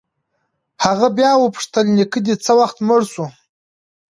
هغه بيا وپوښتل نيکه دې څه وخت مړ سو.